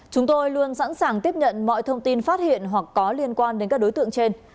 chúng tôi luôn sẵn sàng tiếp nhận mọi thông tin phát hiện hoặc có liên quan đến các đối tượng trên